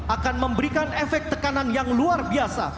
akan memberikan efek tekanan yang luar biasa